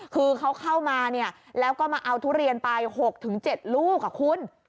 คือเขาเข้ามาเนี่ยแล้วก็มาเอาทุเรียนไป๖๗ลูกคุณ